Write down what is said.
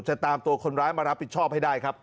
จะตามตัวคนร้ายมารับผิดชอบให้ได้ครับ